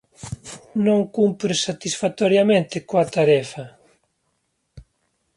Non cumpres satisfactoriamente coa tarefa